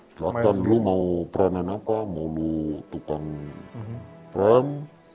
silahkan lu mau peranan apa mau lu tukang rem